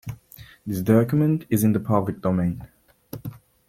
This document is in the public domain.